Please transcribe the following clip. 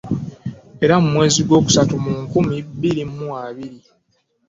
Era mu mwezi Gwokusatu mu nkumi bbiri mu abiri